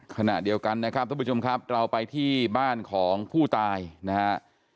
ขณะเดียวกันนะครับท่านผู้ชมครับเราไปที่บ้านของผู้ตายนะฮะ